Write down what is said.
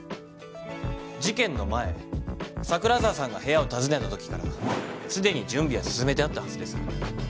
事件の前桜沢さんが部屋を訪ねたときからすでに準備は進めてあったはずです。